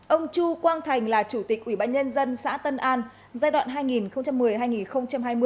ông chu quang thành là chủ tịch ủy ban nhân dân xã tân an giai đoạn hai nghìn một mươi hai nghìn hai mươi